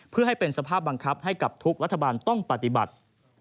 เพื่อให้เป็นสภาพบังคับให้กับทุกรัฐบาลต้องปฏิบัติ